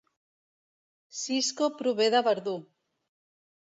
Cisco prové de Verdú